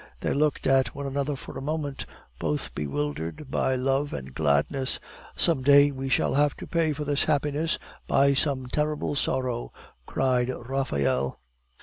They looked at one another for a moment, both bewildered by love and gladness. "Some day we shall have to pay for this happiness by some terrible sorrow," cried Raphael.